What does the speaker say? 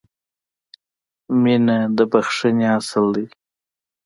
• مینه د بښنې اصل دی.